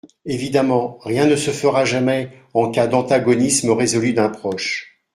Évidemment, rien ne se fera jamais en cas d’antagonisme résolu d’un proche.